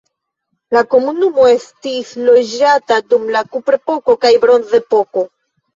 La komunumo estis loĝata dum la kuprepoko kaj bronzepoko.